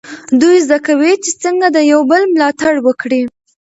دوی زده کوي چې څنګه د یو بل ملاتړ وکړي.